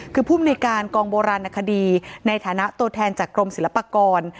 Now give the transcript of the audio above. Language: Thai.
คือภูมิในการกองโบราณคดีในฐานะตัวแทนจากกรมศิลปากร